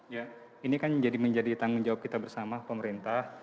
ya ini kan menjadi tanggung jawab kita bersama pemerintah